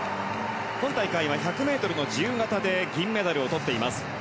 今大会は１００ｍの自由形で銀メダルをとっています。